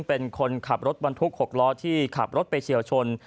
เป็นคนขับรถบรรทุก๖ล้อที่ขับรถไปเฉียวชน